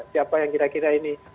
siapa yang kira kira ini